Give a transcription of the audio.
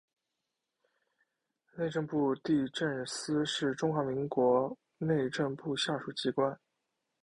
内政部地政司是中华民国内政部下属机关。